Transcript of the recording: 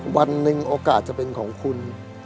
วันหนึ่งโอกาสจะเป็นของคุณ